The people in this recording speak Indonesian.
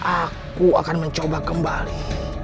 aku akan mencoba kembali